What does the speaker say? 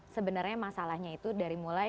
sebenarnya masalahnya itu dari mulai